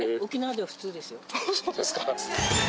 あそうですか？